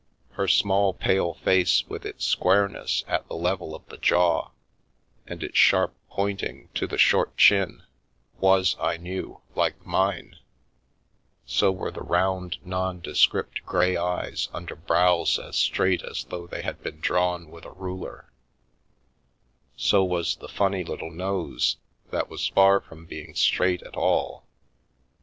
Her small, pale face with its squareness at the level of the jaw, and its sharp pointing to the short chin, was I knew, like mine ; so were the round nondescript grey eyes under brows as straight as though they had been drawn with a ruler; so was the funny little nose that was far from being straight at all.